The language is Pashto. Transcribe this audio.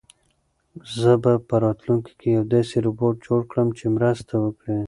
زه به په راتلونکي کې یو داسې روبوټ جوړ کړم چې مرسته وکړي.